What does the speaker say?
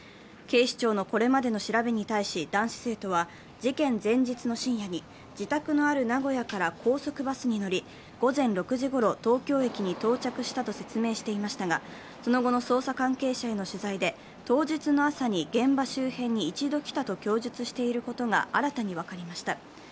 警視庁のこれまでの調べに対し、男子生徒は事件前日の深夜に自宅のある名古屋から高速バスに乗り、午前６時ごろ東京駅に到着したと説明していましたが、その後の捜査関係者への取材で、当日の朝に現場周辺に一度来たと供述していることが新たに分かりました。